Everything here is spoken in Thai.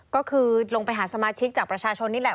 ก็คือลงไปหาสมาชิกจากประชาชนนี่แหละ